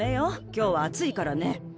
今日はあついからね。